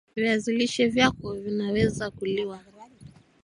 viazi lishe vyako vinaweza kuliwa